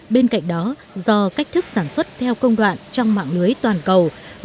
bên cạnh đó do cách thức sản xuất theo công đoạn trong mạng lưới toàn cầu